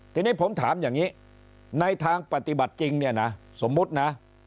ทีนี้ผมถามอย่างนี้ในทางปฏิบัติจริงเนี่ยนะสมมุตินะ